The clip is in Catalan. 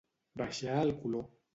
Baixar el color.